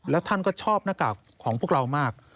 แล้วท่านก็ชอบหน้ากากของพวกเรามาก